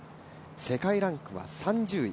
世界ランクは３０位。